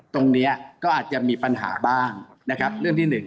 ตรงนี้ก็อาจจะมีปัญหาบ้างนะครับเรื่องที่หนึ่ง